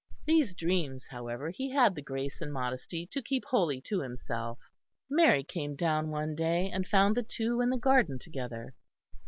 These dreams, however, he had the grace and modesty to keep wholly to himself. Mary came down one day and found the two in the garden together.